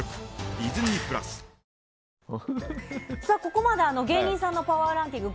ここまで芸人さんのパワーランキング